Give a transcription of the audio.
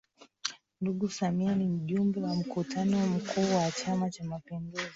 Ndugu Samia ni Mjumbe wa Mkutano Mkuu wa Chama Cha Mapinduzi